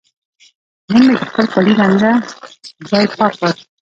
نن مې د خپل کالي رنګه ځای پاک کړ.